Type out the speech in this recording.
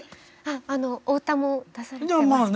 あのお歌も出されてますもんね。